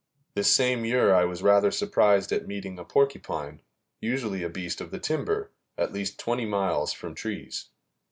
This same year I was rather surprised at meeting a porcupine, usually a beast of the timber, at least twenty miles from trees.